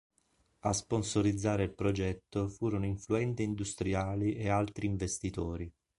A sponsorizzare il progetto furono influenti industriali e altri investitori.